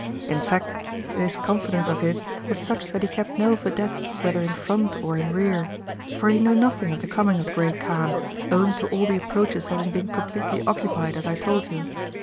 In fact, this confidence of his was such that he kept no vedettes whether in front or in rear ; for he knew nothing of the coming of the Great Kaan, owing to all the approaches having been completely occupied as I told you.